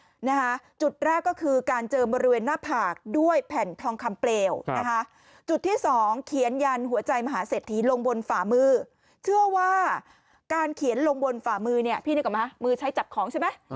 นะคะจุดแรกก็คือการเจอบริเวณหน้าผากด้วยแผ่นทองคำเปลวนะคะจุดที่สองเขียนยันหัวใจมหาเศรษฐีลงบนฝ่ามือเชื่อว่าการเขียนลงบนฝ่ามือเนี่ยพี่นึกออกไหมมือใช้จับของใช่ไหม